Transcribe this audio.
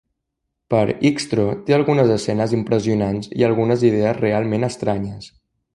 Però Xtro té algunes escenes impressionants i algunes idees realment estranyes.